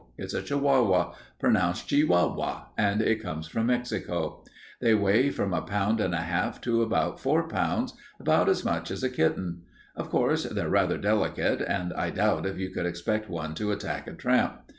It's a Chihuahua, pronounced Che wa wa, and it comes from Mexico. They weigh from a pound and a half to about four pounds, about as much as a kitten. Of course, they're rather delicate, and I doubt if you could expect one to attack a tramp.